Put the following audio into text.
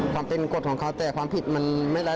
ความเป็นกฎของเขาแต่ความผิดมันไม่รับ